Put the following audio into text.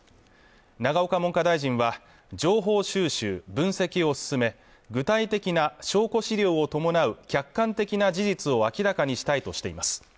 永岡文科大臣は情報収集分析を進め具体的な証拠資料を伴う客観的な事実を明らかにしたいとしています